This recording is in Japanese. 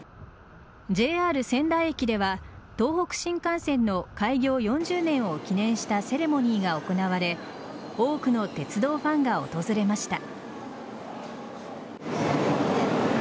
仙台駅では東北新幹線の開業４０年を記念したセレモニーが行われ多くの鉄道ファンが訪れました。